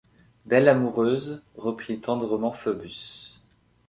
Belle amoureuse, reprit tendrement Phœbus